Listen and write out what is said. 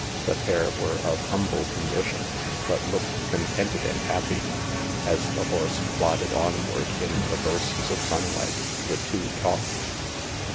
The pair were of humble condition, but looked contented and happy. As the horse plodded onward in the bursts of sunlight, the two talked.